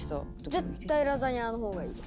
絶対ラザニアの方がいいです。